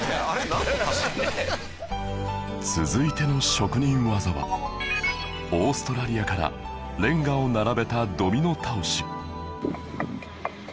続いての職人技はオーストラリアからレンガを並べたドミノ倒し